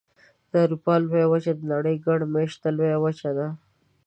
د اروپا لویه وچه د نړۍ ګڼ مېشته لویه وچه ده.